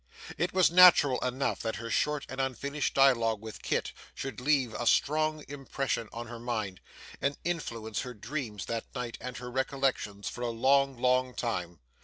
It was natural enough that her short and unfinished dialogue with Kit should leave a strong impression on her mind, and influence her dreams that night and her recollections for a long, long time.